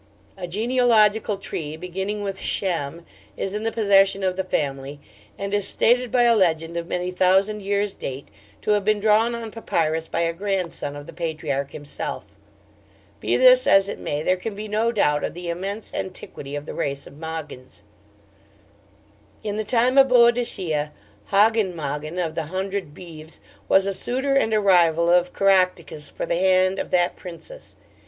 A genealogical tree beginning with Shem is in the possession of the family, and is stated by a legend of many thousand years' date to have been drawn on papyrus by a grandson of the patriarch himself. Be this as it may, there can be no doubt of the immense antiquity of the race of Mogyns. 'In the time of Boadicea, Hogyn Mogyn, of the hundred Beeves, was a suitor and a rival of Caractacus for the hand of that Princess.